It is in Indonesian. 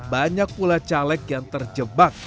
banyak pula caleg yang terjebak